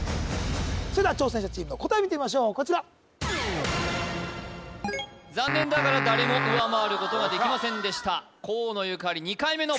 それでは挑戦者チームの答え見てみましょうこちら残念ながら誰も上回ることができませんでした河野ゆかり